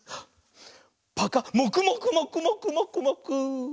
もくもくもくもくもくもく！